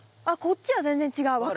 あっこっちは全然違う。